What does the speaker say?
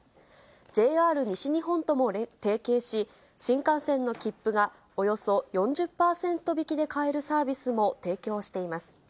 ＪＲ西日本とも提携し、新幹線の切符がおよそ４０％引きで買えるサービスも提供しています。